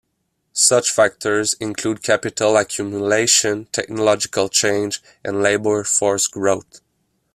Such factors include capital accumulation, technological change and labour force growth.